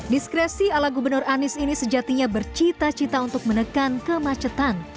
diskresi ala gubernur anies ini sejatinya bercita cita untuk menekan kemacetan